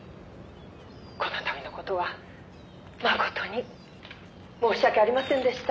この度の事は誠に申し訳ありませんでした」